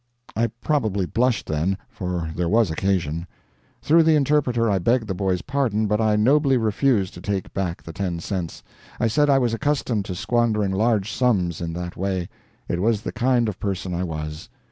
I probably blushed, then, for there was occasion. Through the interpreter I begged the boy's pardon, but I nobly refused to take back the ten cents. I said I was accustomed to squandering large sums in that way it was the kind of person I was.